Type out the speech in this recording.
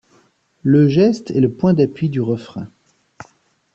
Le geste est le point d’appui du refrain.